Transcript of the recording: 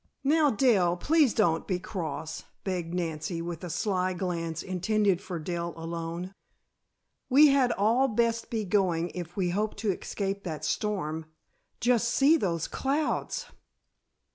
"Now, Dell, please don't be cross," begged Nancy with a sly glance intended for Dell alone. "We had all best be going if we hope to escape that storm. Just see those clouds!"